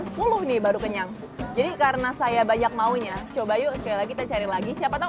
sepuluh nih baru kenyang jadi karena saya banyak maunya coba yuk sekali lagi kita cari lagi siapa tahu